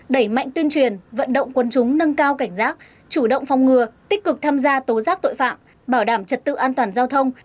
đẩy mạnh tuyên truyền vận động quân chúng nâng cao cảnh giác chủ động phòng ngừa tích cực tham gia tố giác tội phạm bảo đảm trật tự an toàn giao thông